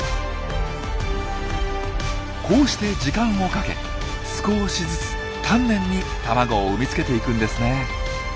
こうして時間をかけ少しずつ丹念に卵を産み付けていくんですね。